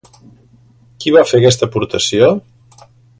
Qui va fer aquesta aportació?